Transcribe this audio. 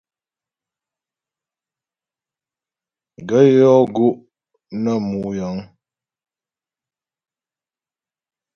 Gaə̂ yɔ́ gó' nə mú yəŋ.